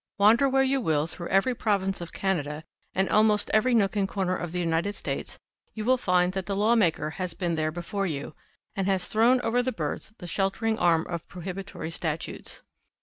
Wander where you will through every province of Canada, and almost every nook and corner of the United States, you will find that the lawmaker has been there before you, and has thrown over the birds the sheltering arm of prohibitory statutes.